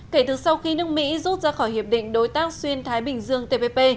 kể từ sau khi nước mỹ rút ra khỏi hiệp định đối tác xuyên thái bình dương tpp